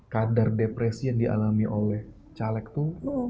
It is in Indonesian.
kadar depresi yang dialami oleh caleg itu